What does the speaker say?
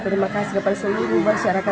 terima kasih atas dukungan anda